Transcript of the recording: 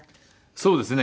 そうですね。